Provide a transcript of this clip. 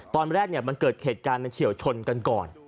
ตอนแรกมันเกิดเหตุการณ์มันเฉียวชนกันก่อน